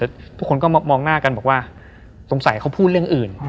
เรื่องทุกคนก็มองหน้ากันบอกว่าสงสัยเขาพูดอย่างอื่น